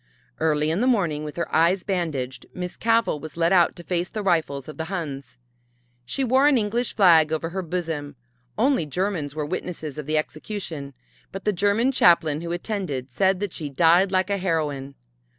Early in the morning with her eyes bandaged Miss Cavell was led out to face the rifles of the Huns. She wore an English flag over her bosom. Only Germans were witnesses of the execution, but the German chaplain who attended said that she died like a heroine.